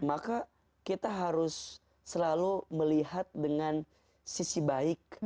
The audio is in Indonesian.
maka kita harus selalu melihat dengan sisi baik